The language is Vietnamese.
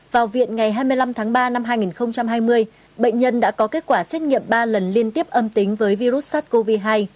vào viện ngày hai mươi năm tháng ba năm hai nghìn hai mươi bệnh nhân đã có kết quả xét nghiệm ba lần liên tiếp âm tính với virus sars cov hai